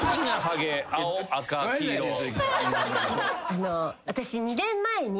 あの私。